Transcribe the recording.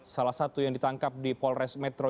salah satu yang ditangkap di polres metro